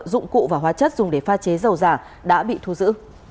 dụng cụ và hóa chất dùng để pha chế dầu giả đã bị thu giữ